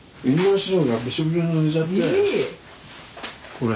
これ。